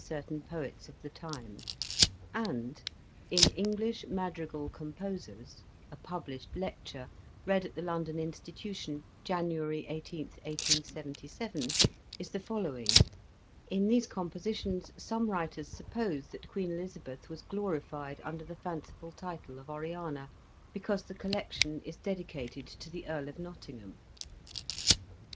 certain poets of the time," and in "English Madrigal Composers," a published lecture, read at the London Institution, January i8th, 1877, is the following :" In these compositions some writers suppose that Queen Elizabeth was glorified under the fanciful title of Oriana, because the collection is dedicated to the Earl of Nottingham.